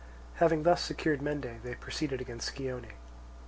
Having thus secured Mende, they proceeded against Scione.